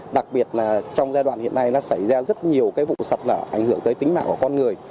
đặc biệt là trong giai đoạn hiện nay xảy ra rất nhiều vụ sạc lỡ ảnh hưởng tới tính mạng của con người